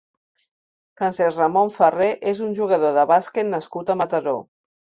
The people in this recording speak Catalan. Francesc Ramón Ferrer és un jugador de bàsquet nascut a Mataró.